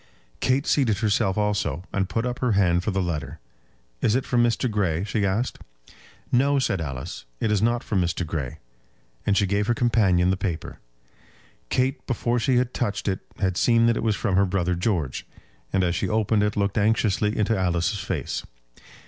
Kate seated herself also, and put up her hand for the letter. "Is it from Mr. Grey?" she asked. "No," said Alice; "it is not from Mr. Grey." And she gave her companion the paper. Kate before she had touched it had seen that it was from her brother George; and as she opened it looked anxiously into Alice's face.